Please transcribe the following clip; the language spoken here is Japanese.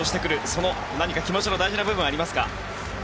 その気持ちの大事な部分はありますか？